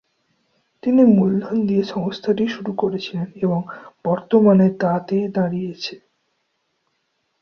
তিনি মূলধন দিয়ে সংস্থাটি শুরু করেছিলেন এবং বর্তমানে তা তে দাঁড়িয়েছে।